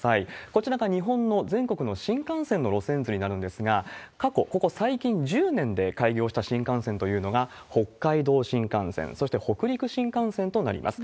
こちらが日本の全国の新幹線の路線図になるんですが、過去、ここ最近１０年で開業した新幹線というのが、北海道新幹線、そして北陸新幹線となります。